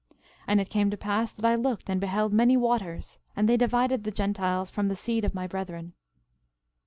13:10 And it came to pass that I looked and beheld many waters; and they divided the Gentiles from the seed of my brethren.